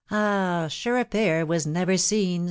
" Ah ! sure a pair wag never seen.